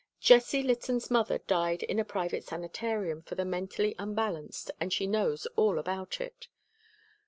Jessie Litton's mother died in a private sanitarium for the mentally unbalanced and she knows all about it.